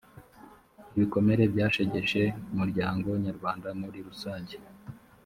ibikomere byashegeshe umuryango nyarwanda muri rusange